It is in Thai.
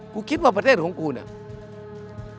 คิดว่าประเทศของกูเนี่ย